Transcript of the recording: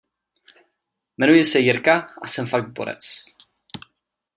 Jmenuji se Jirka a jsem fakt borec.